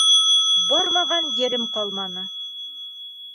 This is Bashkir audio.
Бармаған ерем ҡалманы.